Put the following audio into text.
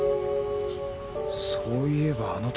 そういえばあの時。